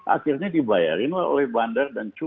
akhirnya dibayarin lah oleh bandar dan cuso